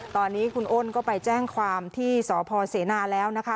ตอนนี้คุณอ้นก็ไปแจ้งความที่สพเสนาแล้วนะคะ